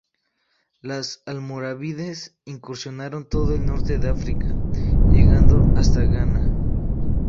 Los almorávides incursionaron todo el norte de África llegando hasta Ghana.